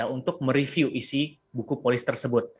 untuk mereview isi buku polis tersebut